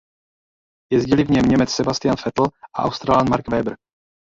Jezdili v něm Němec Sebastian Vettel a Australan Mark Webber.